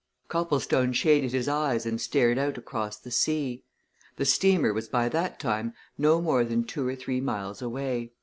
Copplestone shaded his eyes and stared out across the sea. The steamer was by that time no more than two or three miles away.